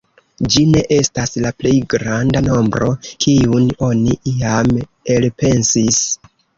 Ĝi ne estas la plej granda nombro, kiun oni iam elpensis.